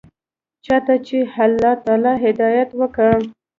چا ته چې الله تعالى هدايت وکا.